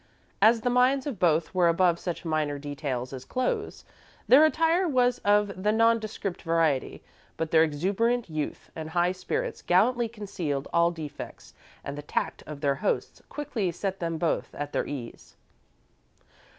As the minds of both were above such minor details as clothes, their attire was of the nondescript variety, but their exuberant youth and high spirits gallantly concealed all defects and the tact of their hosts quickly set them both at their ease.